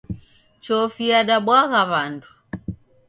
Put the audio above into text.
Chofi yadabwagha w'andu.